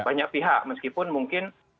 banyak pihak meskipun mungkin